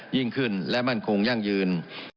ยิ่งขึ้นและมั่นคงยั่งยืน